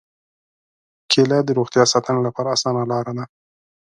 کېله د روغتیا ساتنې لپاره اسانه لاره ده.